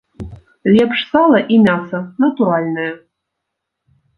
Лепш сала і мяса, натуральнае.